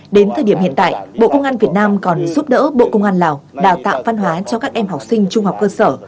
đến thời điểm hiện tại bộ công an việt nam còn giúp đỡ bộ công an lào đào tạo văn hóa cho các em học sinh trung học cơ sở